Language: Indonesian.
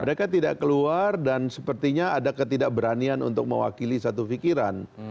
mereka tidak keluar dan sepertinya ada ketidakberanian untuk mewakili satu pikiran